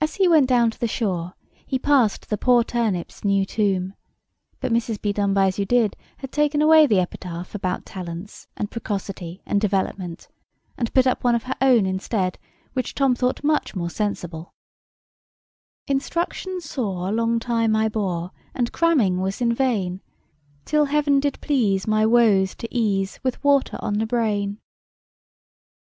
As he went down to the shore he passed the poor turnip's new tomb. But Mrs. Bedonebyasyoudid had taken away the epitaph about talents and precocity and development, and put up one of her own instead which Tom thought much more sensible:— "Instruction sore long time I bore, And cramming was in vain; Till heaven did please my woes to ease With water on the brain."